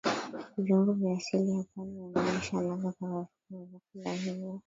Viungo vya asili ya pwani hunogesha ladha ya vyakula hivyo